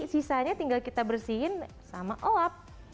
sisanya tinggal kita bersihin sama elap